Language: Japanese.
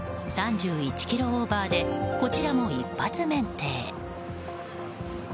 ３１キロオーバーでこちらも一発免停。